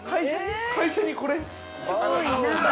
会社に、これ？